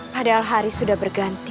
padahal hari sudah berganti